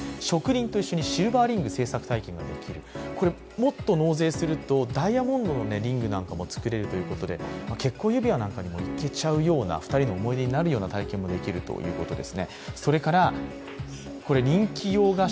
もっと納税するとダイヤモンドのリングなども作れるということで結婚指輪なんかにもいけちゃうような２人の思い出になるような体験もできるということです。